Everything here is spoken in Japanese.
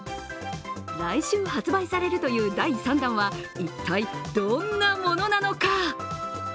来週発売されるという第３弾は一体、どんなものなのか。